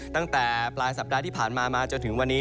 ตั้งแต่ปลายสัปดาห์ที่ผ่านมามาจนถึงวันนี้